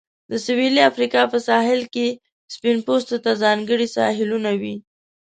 د سویلي افریقا په ساحل کې سپین پوستو ته ځانګړي ساحلونه وې.